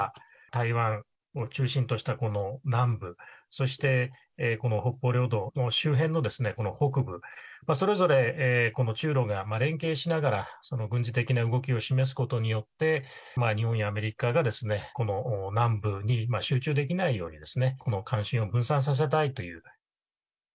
台湾を中心としたこの南部、そしてこの北方領土周辺の北部、それぞれこの中ロが連携しながら軍事的な動きを示すことによって、日本やアメリカがこの南部に集中できないように、関心を分散させたいという。